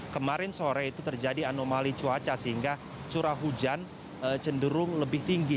kemarin sore itu terjadi anomali cuaca sehingga curah hujan cenderung lebih tinggi